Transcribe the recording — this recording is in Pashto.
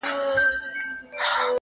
• هغه سړی کلونه پس دی، راوتلی ښار ته.